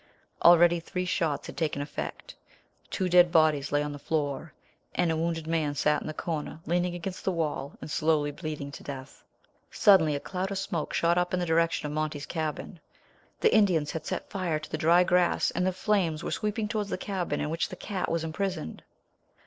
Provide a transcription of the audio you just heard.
Already three shots had taken effect. Two dead bodies lay on the floor, and a wounded man sat in the corner, leaning against the wall, and slowly bleeding to death. Suddenly a cloud of smoke shot up in the direction of Monty's cabin. The Indians had set fire to the dry grass, and the flames were sweeping towards the cabin in which the cat was imprisoned.